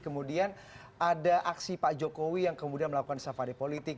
kemudian ada aksi pak jokowi yang kemudian melakukan safari politik